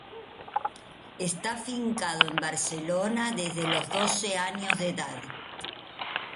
Esta afincado en Barcelona desde los doce años de edad.